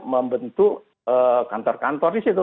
membentuk kantor kantor di situ